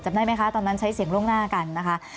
ได้ไหมคะตอนนั้นใช้เสียงล่วงหน้ากันนะคะ